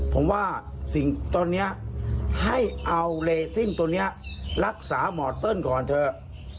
ผมว่าสิ่งตอนนี้ให้เอาเลซิ่งตัวนี้รักษาหมอเติ้ลก่อนเถอะ